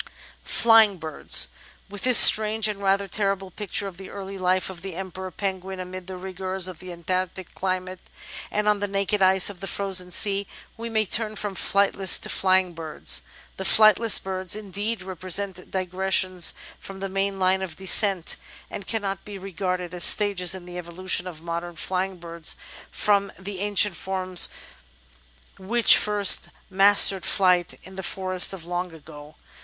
§8 Flying Birds With this strange and rather terrible picture of the early life of the Emperor Penguin amid the rigours of the Antarctic climate and on the naked ice of the frozen sea, we may turn from flightless to flying birds. The flightless birds, indeed, represent digressions from the main line of descent, and cannot be regarded as stages in the evolution of modem flying birds from the an cient forms which first mastered flight in the forests of long ago.